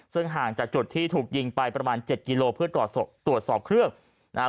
ซึ่งห่างจากจุดที่ถูกยิงไปประมาณเจ็ดกิโลเพื่อตรวจสอบตรวจสอบเครื่องนะฮะ